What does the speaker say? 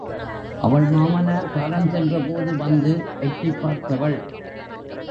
அவள் மாமனார் காலஞ்சென்ற போது வந்து எட்டிப் பார்த்தவள்.